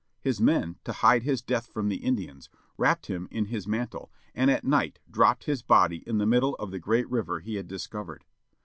His men, to hide his death from the Indians, wrapped him in his mantle, and at night dropped his body in the middle of the great river he had discovered.